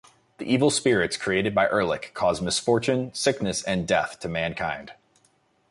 The evil spirits created by Erlik cause misfortune, sickness and death to mankind.